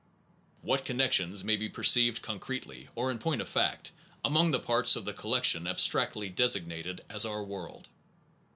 What connections may be perceived con cretely or in point of fact, among the parts of the collection abstractly designated as our world